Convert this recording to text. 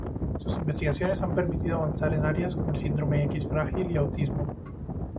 Sus investigaciones han permitido avanzar en áreas como el síndrome X frágil y autismo.